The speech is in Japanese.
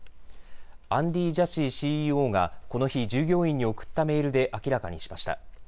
アンディー・ジャシーＣＥＯがこの日、従業員に送ったメールで明らかにしました。